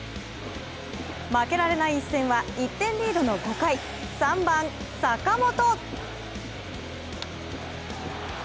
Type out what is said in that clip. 負けられない一戦は１点リードの５回、３番・坂本。